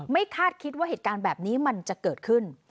คาดคิดว่าเหตุการณ์แบบนี้มันจะเกิดขึ้น